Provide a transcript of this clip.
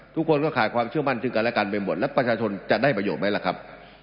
ทุกคนก็ขาดความเชื่อมั่นซึ่งกันและกันไปหมดแล้วประชาชนจะได้ประโยชน์ไหมล่ะครับ